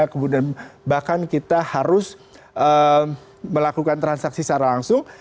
kemudian bahkan kita harus melakukan transaksi secara langsung